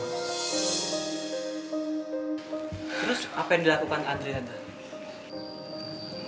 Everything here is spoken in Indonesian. terus apa yang dilakukan andre nanti